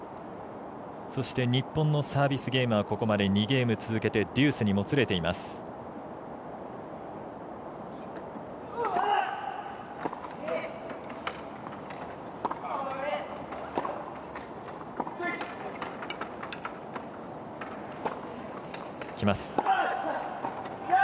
そして日本のサービスゲームはここまで２ゲーム続けてデュースにもつれています。